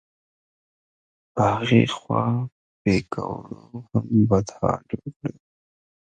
په هغې خوا پیکوړو هم بد حال جوړ کړی و.